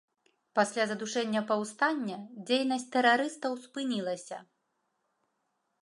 Пасля задушэння паўстання дзейнасць тэрарыстаў спынілася.